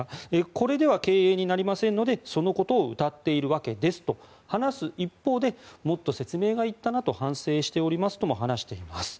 これでは経営になりませんのでそのことをうたっているわけですと話す一方でもっと説明がいったなと反省しておりますと話しています。